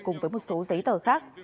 cùng với một số giấy tờ khác